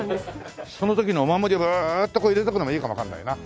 その時のお守りをグーッと入れておくのもいいかもわかんないな。